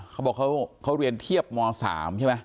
เขาบอกเขาเรียนเทียบม๓ใช่ไหม